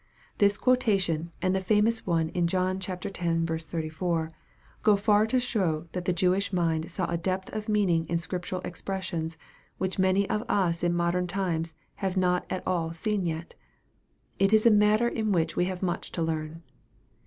This quotation and the fa mous one in John x. 34, go far to show that the Jewish mind saw a depth of meaning in scriptural expressions which many of us in modern times have not at all seen yet. It is a matter in which we have much to learn.